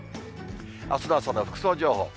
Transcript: あすの朝の服装情報。